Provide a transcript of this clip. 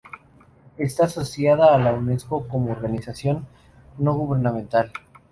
Está asociada a la Unesco como organización no gubernamental.